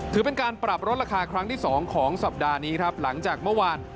ถือเป็นการปรับลดราคาครั้งที่๒ของสัปดาห์นี้ครับหลังจากเมื่อวาน